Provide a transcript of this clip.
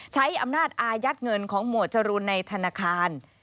ใช้อำนาจอายัดเงินของหมวดจรูนในธนาคาร